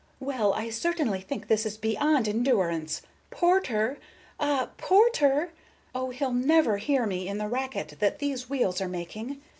"Well, I certainly think this is beyond endurance! Porter! Ah,—Porter! Oh, he'll never hear me in the racket that these wheels are making!